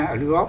ở new york